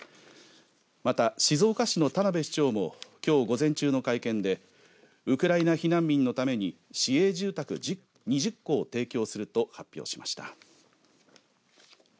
また、静岡市の田辺市長もきょう午前中の会見でウクライナ避難民のために市営住宅２０戸を提供すると発表しました。